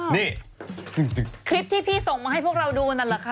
นี่คลิปที่พี่ส่งมาให้พวกเราดูนั่นแหละค่ะ